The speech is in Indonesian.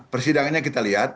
persidangannya kita lihat